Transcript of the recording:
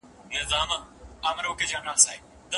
د منفي مداخلې په نتيجه کي شخصي ژوند څنګه متضرر کيږي؟